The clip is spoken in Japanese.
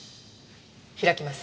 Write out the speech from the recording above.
開きます。